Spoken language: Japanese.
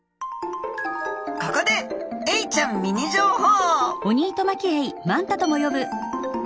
ここでエイちゃんミニ情報！